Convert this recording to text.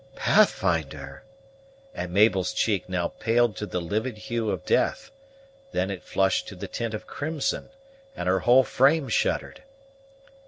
"Pathfinder!" and Mabel's cheek now paled to the livid hue of death; then it flushed to the tint of crimson; and her whole frame shuddered.